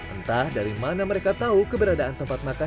entah dari mana mereka tahu keberadaan tempat makan